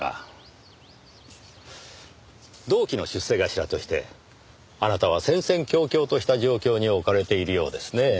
同期の出世頭としてあなたは戦々恐々とした状況に置かれているようですねぇ。